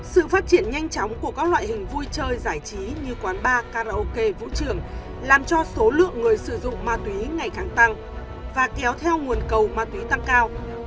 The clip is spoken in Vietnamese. sự phát triển nhanh chóng của các loại hình vui chơi giải trí như quán bar karaoke vũ trường làm cho số lượng người sử dụng ma túy ngày càng tăng và kéo theo nguồn cầu ma túy tăng cao